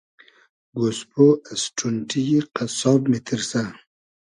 گۉسپۉ از ݖونݖی یی قئسساب میتیرسۂ